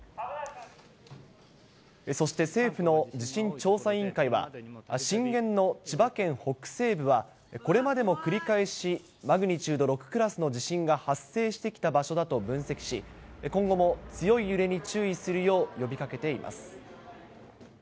そして政府の地震調査委員会は、震源の千葉県北西部は、これまでも繰り返しマグニチュード６クラスの地震が発生してきた場所だと分析し、今後も強い揺れに注意するよう呼びかけています。